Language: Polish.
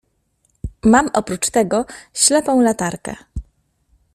"Mam oprócz tego ślepą latarkę."